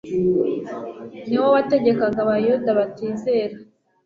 niwo wategekaga abayuda batizera.